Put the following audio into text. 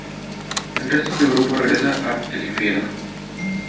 El resto del grupo regresa a "El Infierno".